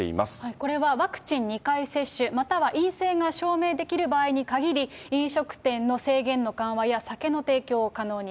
これはワクチン２回接種、または陰性が証明できる場合に限り、飲食店の制限の緩和や酒の提供を可能に。